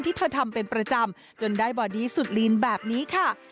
ที่เธอทำเป็นประจำจนได้บอดี้สุดลีนแบบนี้ค่ะ